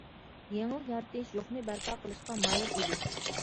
يېڭىلىق يارىتىش، يوقنى بەرپا قىلىشقا ماھىر ئىدى.